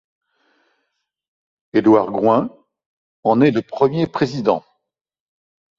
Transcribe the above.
Edouard Goüin en est le premier président.